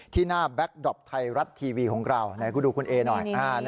ที่หน้าแบล็คดอปไทยรัดทีวีของเราให้กูดูคุณเอ๋หน่อย